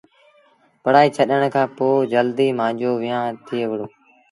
پڙهآئيٚ ڇڏڻ کآݩ پو جلديٚ مآݩجو ويهآݩ ٿئي وُهڙو ۔